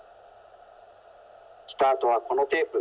スタートはこのテープ。